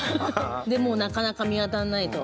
でも、なかなか見当たらないと。